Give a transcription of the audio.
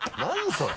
それ。